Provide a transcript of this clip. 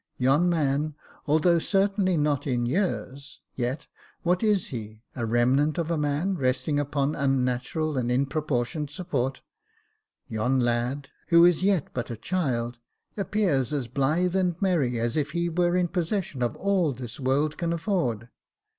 Yon man, although certainly not in years, yet, what is he ?— a remnant of a man resting upon unnatural and ill proportioned support. Yon lad, who is yet but a child, appears as blythe and merry as if he were in posses sion of all this world can afford.